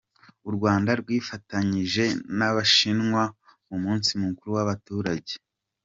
U Rwanda rwifatanyije n’abashinwa mu munsi mukuru w’abaturage